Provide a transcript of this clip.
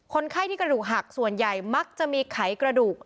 ไข้ที่กระดูกหักส่วนใหญ่มักจะมีไขกระดูก